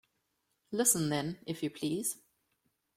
Listen then, if you please.